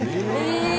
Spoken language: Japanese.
え！